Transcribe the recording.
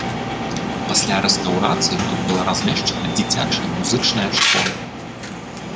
Пасля рэстаўрацыі тут была размешчана дзіцячая музычная школа.